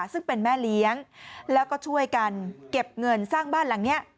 ซึ่งเป็นแม่เลี้ยงแล้วก็ช่วยกันเก็บเงินสร้างบ้านหลังนี้